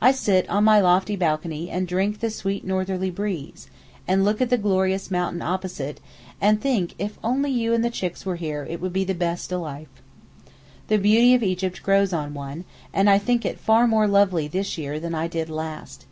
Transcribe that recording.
I sit on my lofty balcony and drink the sweet northerly breeze, and look at the glorious mountain opposite, and think if only you and the chicks were here it would be 'the best o' life.' The beauty of Egypt grows on one, and I think it far more lovely this year than I did last.